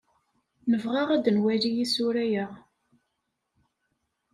Nebɣa ad nwali isura-a.